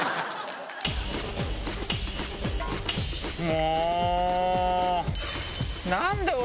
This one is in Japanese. もう！